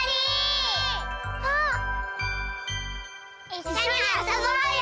いっしょにあそぼうよ！